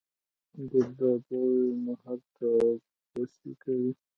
ګلداد وویل: نو هلته غوسې کوې.